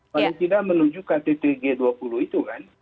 paling tidak menuju kttg dua puluh itu kan